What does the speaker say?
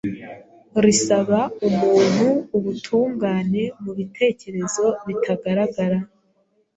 risaba umuntu ubutungane mu bitekerezo bitagaragara,